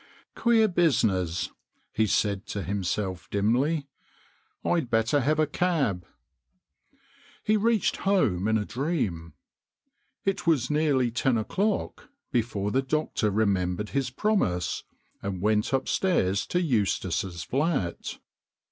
" Queer business," he said to himself dimly ;" I'd better have a cab." He reached home in a dream. It was nearly ten o'clock before the doctor remembered his promise, and went upstairs to Eustace's flat.